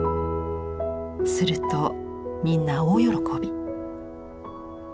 するとみんな大喜び。